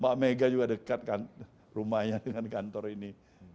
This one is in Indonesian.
mbak mega juga dekat rumahnya dengan kantor ini